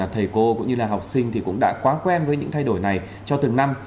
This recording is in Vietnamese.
thầy cô cũng như là học sinh thì cũng đã quá quen với những thay đổi này cho từng năm